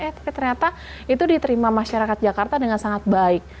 eh ternyata itu diterima masyarakat jakarta dengan sangat baik